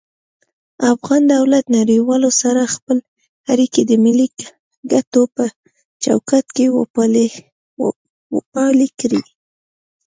افغان دولت نړيوالو سره خپلی اړيکي د ملي کټو په چوکاټ کي وپالی کړي